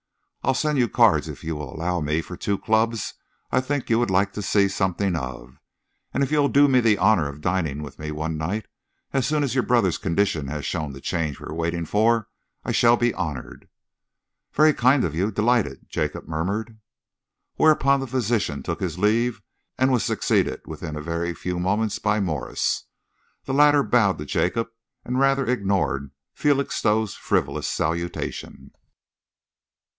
I'll send you cards, if you will allow me, for two clubs I think you would like to see something of, and if you'll do me the honour of dining with me one night, as soon as your brother's condition has shown the change we are waiting for, I shall be honoured." "Very kind of you delighted," Jacob murmured. Whereupon the physician took his leave and was succeeded within a very few moments by Morse. The latter bowed to Jacob and rather ignored Felixstowe's frivolous salutation.